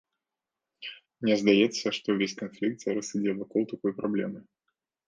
Мне здаецца, што ўвесь канфлікт зараз ідзе вакол такой праблемы.